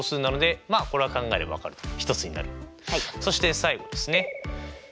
そして最後ですね。